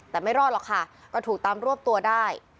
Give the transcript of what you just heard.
แต่ไม่รอดหรอกค่ะก็ถูกตามรวบตัวได้